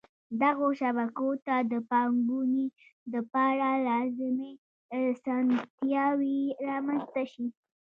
دغو شبکو ته د پانګوني دپاره لازمی اسانتیاوي رامنځته شي.